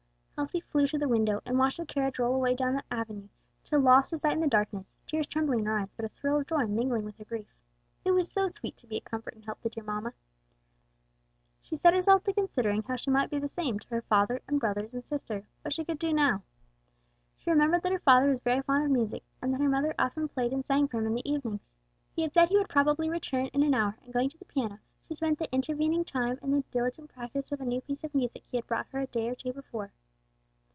Elsie flew to the window, and watched the carriage roll away down the avenue, till lost to sight in the darkness, tears trembling in her eyes, but a thrill of joy mingling with her grief: "it was so sweet to be a comfort and help to dear mamma." She set herself to considering how she might be the same to her father and brothers and sister; what she could do now. She remembered that her father was very fond of music and that her mother often played and sang for him in the evenings. He had said he would probably return in an hour, and going to the piano she spent the intervening time in the diligent practice of a new piece of music he had brought her a day or two before.